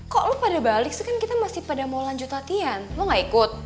kok lo pada balik sih kan kita masih pada mau lanjut latihan lo gak ikut